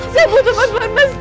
saya butuh bantuan mas